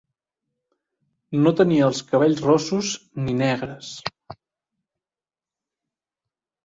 No tenia els cabells rossos, ni negres